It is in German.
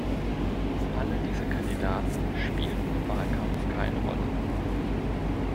Alle diese Kandidaten spielten im Wahlkampf keine Rolle.